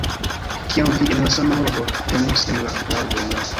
Kiam vi en la sama horo venos en la laŭbon.